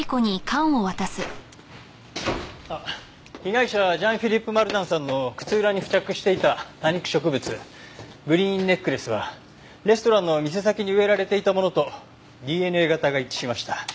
あっ被害者ジャン・フィリップ・マルタンさんの靴裏に付着していた多肉植物グリーンネックレスはレストランの店先に植えられていたものとＤＮＡ型が一致しました。